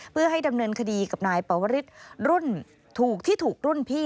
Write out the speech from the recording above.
เพื่อให้ดำเนินคดีกับนายปวริสรุ่นถูกที่ถูกรุ่นพี่